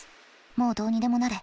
もうどうにでもなれ。